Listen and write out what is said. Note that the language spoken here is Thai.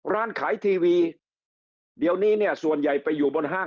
ร้านขายทีวีเดี๋ยวนี้เนี่ยส่วนใหญ่ไปอยู่บนห้าง